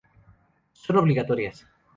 Son obligatorias.